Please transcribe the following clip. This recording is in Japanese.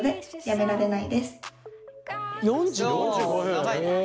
長いね。